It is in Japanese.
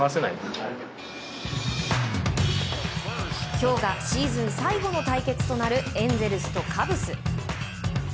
今日がシーズン最後の対決となるエンゼルスとカブス。